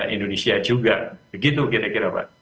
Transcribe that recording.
indonesia juga begitu kira kira pak